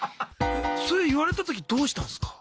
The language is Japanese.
それ言われた時どうしたんすか？